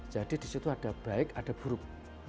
jadi disitu ada baik ada buruk